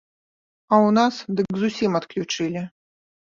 А ў нас дык зусім адключылі.